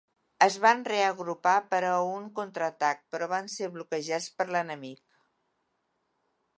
Es van reagrupar per a un contraatac però van ser bloquejats per l'enemic.